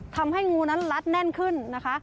ทำให้งูนั้นลัดแน่นขึ้นนะคะ